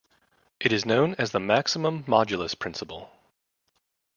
This is known as the maximum modulus principle.